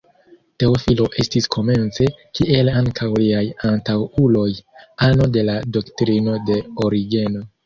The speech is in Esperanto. Teofilo estis komence, kiel ankaŭ liaj antaŭuloj, ano de la doktrino de Origeno.